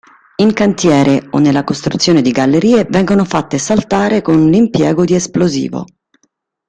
In cantiere o nella costruzione di gallerie vengono fatte saltare con l'impiego di esplosivo.